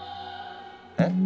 えっ？